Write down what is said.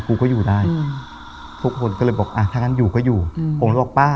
กูก็อยู่ได้ทุกคนก็เลยบอกอ่ะถ้างั้นอยู่ก็อยู่ผมเลยบอกป้า